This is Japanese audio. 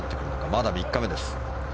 まだ３日目です。